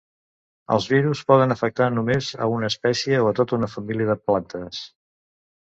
Els virus poden afectar només a una espècie o a tota una família de plantes.